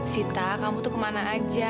sita kamu tuh kemana aja